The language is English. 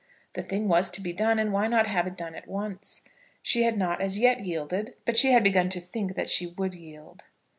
The thing was to be done, and why not have it done at once? She had not as yet yielded, but she had begun to think that she would yield.